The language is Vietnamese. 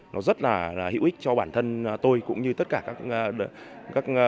nó rất là hữu ích cho bản thân tôi cũng như tất cả các đối tượng